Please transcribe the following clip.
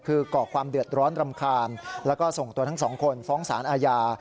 คือก่อความเดือดร้อนรำคาญแล้วก็ส่งตัวทั้งสองคนฟ้องสารอาญา